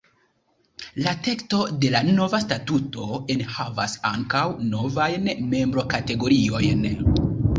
La teksto de la nova statuto enhavas ankaŭ novajn membrokategoriojn.